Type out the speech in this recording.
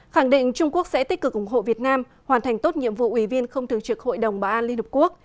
khẳng định trung quốc sẽ tích cực ủng hộ việt nam hoàn thành tốt nhiệm vụ ủy viên không thường trực hội đồng bảo an liên hợp quốc